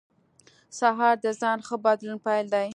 سهار د ځان ښه بدلون پیل دی.